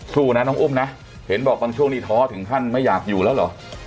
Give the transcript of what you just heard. สู้นะน้องอุ้มนะเห็นบอกบางช่วงนี้ท้อถึงขั้นไม่อยากอยู่แล้วเหรอ